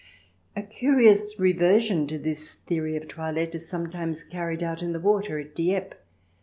A curious reversion to this theory of toilette is sometimes carried out in the water at Dieppe.